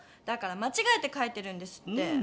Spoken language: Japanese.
だからまちがえて書いてるんですって。